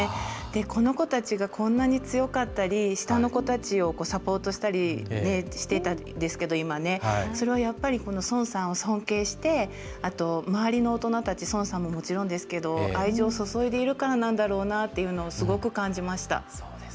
この子たちがこんなに強かったり下の子たちをサポートしていましたけどそれはやっぱり、孫さんを尊敬しあと周りの大人たち孫さんも、もちろんですけど愛情を注いでいるからなんだろうなというのをすごく感じました。